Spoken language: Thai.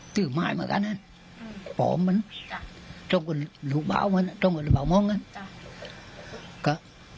หอมมั่นเพราะว่าเหลือเบาฉันว่ามีเบามองกะ